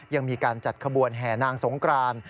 ยังมีการจัดขบวนแห่นางสงกราน